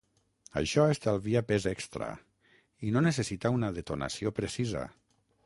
Això estalvia pes extra i no es necessita una detonació precisa.